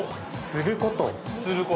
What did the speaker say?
◆すること。